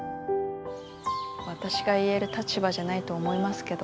私が言える立場じゃないと思いますけど。